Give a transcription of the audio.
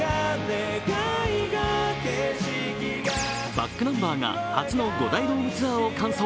ｂａｃｋｎｕｍｂｅｒが初の五大ツアーを感想。